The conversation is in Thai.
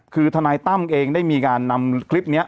คือทนายตั้มเองได้มีการนำคลิปนี้